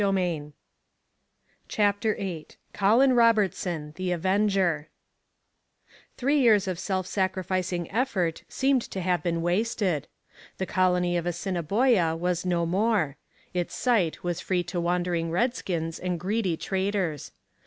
CHAPTER VIII COLIN ROBERTSON, THE AVENGER Three years of self sacrificing effort seemed to have been wasted. The colony of Assiniboia was no more; its site was free to wandering redskins and greedy traders.